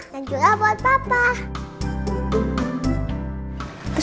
dan juga buat papa